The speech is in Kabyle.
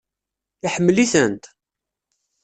Iḥemmel-itent?